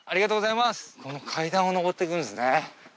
この階段を上ってくんすね。